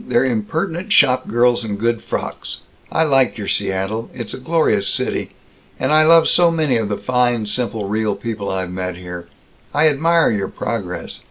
They're impertinent shopgirls in good frocks. I like your Seattle. It's a glorious city. And I love so many of the fine, simple, real people I've met here. I admire your progress.